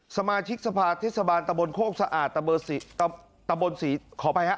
สมาธิกษภาคทศาบาลตะบลโครกสะอาดตะบลสี่ตะบลสี่ขอไปฮะ